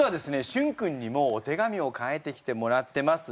しゅん君にもお手紙を書いてきてもらってます。